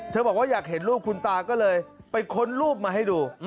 บอกว่าอยากเห็นรูปคุณตาก็เลยไปค้นรูปมาให้ดู